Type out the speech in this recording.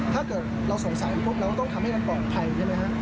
ถ้าเกิดเราสงสัยปุ๊บเราต้องทำให้มันปลอดภัยใช่ไหมฮะ